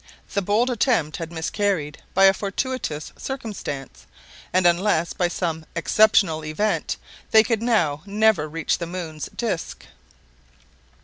The bold attempt had miscarried by a fortuitous circumstance; and unless by some exceptional event, they could now never reach the moon's disc.